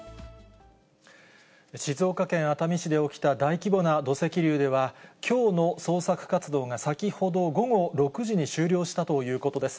静岡県熱海市で起きた大規模な土石流では、きょうの捜索活動が先ほど午後６時に終了したということです。